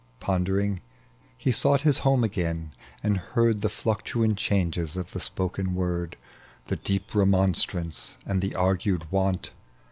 Pondering, he sought his home again and heard The fluctuant changes of the spoken word ; The deep remonstrance and the argued want.